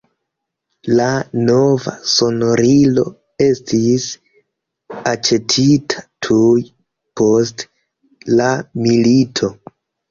La nova sonorilo estis aĉetita tuj post la milito.